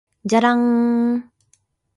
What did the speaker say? じゃらんーーーーー